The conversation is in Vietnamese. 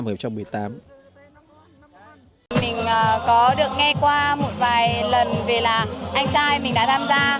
mình có được nghe qua một vài lần về là anh trai mình đã tham gia